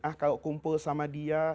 ah kalau kumpul sama dia